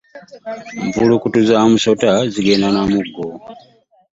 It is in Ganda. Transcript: Mpulukutu za musota zigenda na muggo.